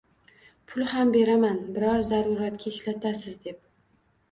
Pul ham beraman, biror zaruratga ishlatasiz, deb